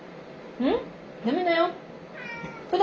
うん？